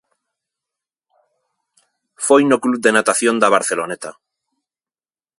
Foi no Club de Natación da Barceloneta.